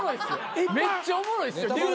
めっちゃおもろいっすよ。